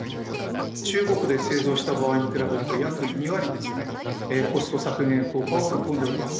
中国で製造した場合に比べると約２割、コスト削減効果を見込んでおります。